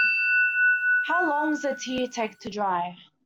How Long's a Tear Take to Dry?